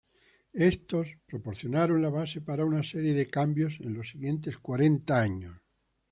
Estos proporcionaron la base para una serie de cambios en los siguientes cuarenta años.